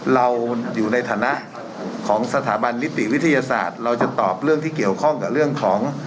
เราอยู่ในฐานะของสถาบันนิติวิทยาศาสตร์เราจะตอบเรื่องที่เกี่ยวข้องกับเรื่องของ